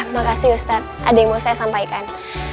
makasih ustadz ada yang mau saya sampaikan